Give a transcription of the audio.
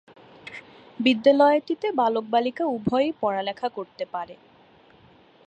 বিদ্যালয়টিতে বালক-বালিকা উভয়েই পড়ালেখা করতে পারে।